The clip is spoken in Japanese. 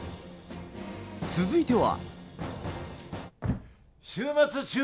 続いては。